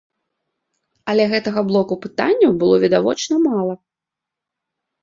Але гэтага блоку пытанняў было відавочна мала.